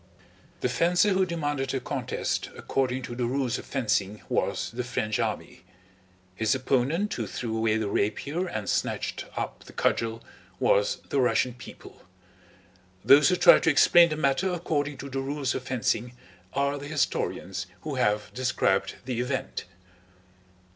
The fencer who demanded a contest according to the rules of fencing was the French army; his opponent who threw away the rapier and snatched up the cudgel was the Russian people; those who try to explain the matter according to the rules of fencing are the historians who have described the event.